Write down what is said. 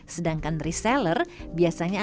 sedangkan reseller biasanya akan menggunakan keduanya